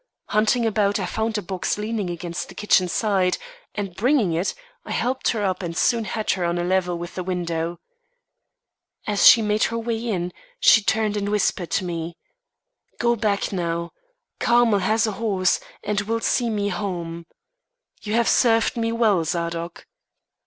Hunting about, I found a box leaning against the kitchen side, and, bringing it, I helped her up and soon had her on a level with the window. As she made her way in, she turned and whispered to me: "Go back now. Carmel has a horse, and will see me home. You have served me well, Zadok."